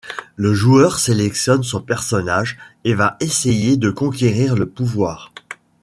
Le joueur sélectionne son personnage et va essayer de conquérir le pouvoir.